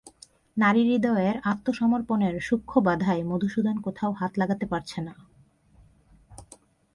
নারীহৃদয়ের আত্মসমর্পণের সূক্ষ্ম বাধায় মধুসূদন কোথাও হাত লাগাতে পারছে না।